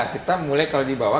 kita mulai kalau di bawah